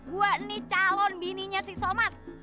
gue nih calon bininya si soman